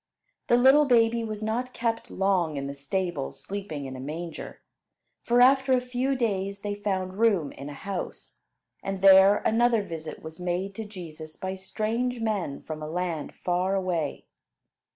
The little baby was not kept long in the stable sleeping in a manger; for after a few days they found room in a house; and there another visit was made to Jesus by strange men from a land far away.